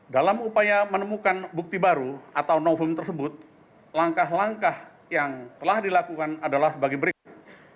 dalam upaya menemukan bukti baru atau novum tersebut langkah langkah yang telah dilakukan adalah sebagai berikut